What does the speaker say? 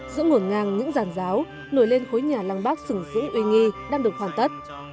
giữa nguồn ngang những giàn giáo nổi lên khối nhà lăng bắc sửng sữ uy nghi đang được hoàn tất